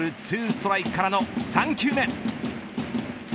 ストライクからの３球目。